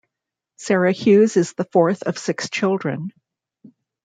Sarah Hughes is the fourth of six children.